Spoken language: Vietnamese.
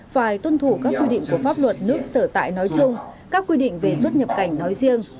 phải tuân thủ các quy định của pháp luật nước sở tại nói chung các quy định về xuất nhập cảnh nói riêng